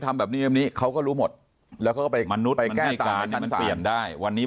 ทำแบบนี้เขาก็รู้หมดแล้วเขาไปมนุษย์มันเปลี่ยนได้วันนี้